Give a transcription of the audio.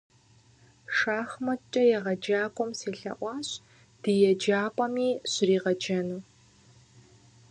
Шахматкӏэ егъэджакӏуэм селъэӏуащ ди еджапӏэми щригъэджэну.